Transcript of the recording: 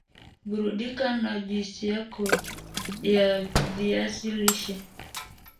Burudika na juisi yako ya viazi lishe